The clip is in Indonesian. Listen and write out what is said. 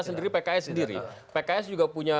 sendiri pks sendiri pks juga punya